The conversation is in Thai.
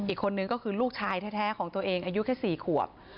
อีกคนนึงก็คือลูกชายแท้ของตัวเองอายุแค่๔ขวบ